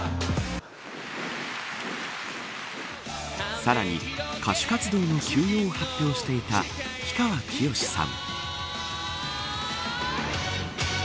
さらに歌手活動の休養を発表していた氷川きよしさん。